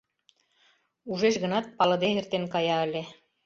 Ужеш гынат, палыде эртен кая ыле.